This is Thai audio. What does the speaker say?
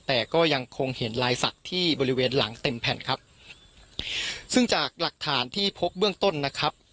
แต่ก็ยังคงเห็นลายศักดิ์ที่บริเวณหลังเต็มแผ่นครับซึ่งจากหลักฐานที่พบเบื้องต้นนะครับ